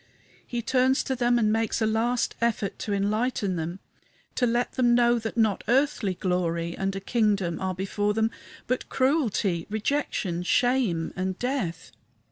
He turns to them and makes a last effort to enlighten them to let them know that not earthly glory and a kingdom are before them, but cruelty, rejection, shame, and death.